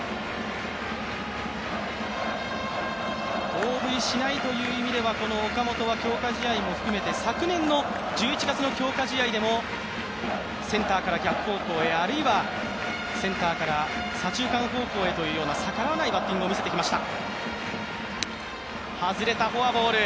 大振りしないという意味では、岡本は強化試合も含めて昨年の１１月の強化試合でもセンターから逆方向へ、あるいはセンターから左中間方向へというような逆らわないバッティングを見せてきました。